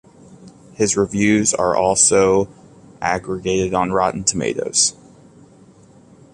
His reviews are also aggregated on Rotten Tomatoes.